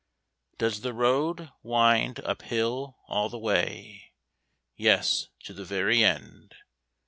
Does the road wind up hill all the way? Yes, to the very end.